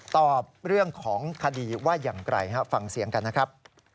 ตอบเรื่องของคดีว่าอย่างไรฟังเสียงกันนะครับ